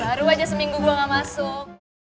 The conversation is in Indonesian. baru aja seminggu gue gak masuk